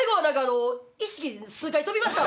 意識数回飛びました。